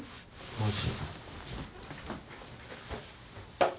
マジ？